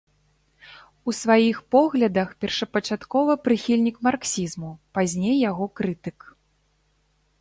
У сваіх поглядах першапачаткова прыхільнік марксізму, пазней яго крытык.